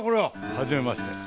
はじめまして。